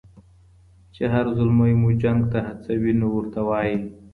چي هر ځلمى مو جنګ ته هڅوي نو ورته وايي